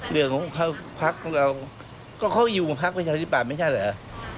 เรื่องของพลักษณ์เขาก็เขาอยู่กับพลักษณ์ไปชาวนี้แปลว่าไม่ใช่เหรอ